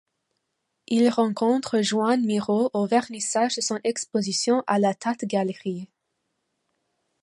Il rencontre Joan Miró au vernissage de son exposition à la Tate Galerie.